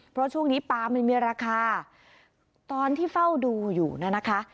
เพราะช่วงนี้ปลามันมีราคาตอนที่เฝ้าดูอยู่นะคะ